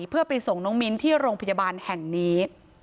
เพื่อไปส่งน้องมิ้นที่โรงพยาบาลแห่งนี้